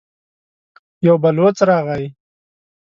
يو بلوڅ راغی.